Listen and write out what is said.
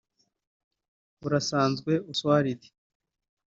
Burasanzwe Osuald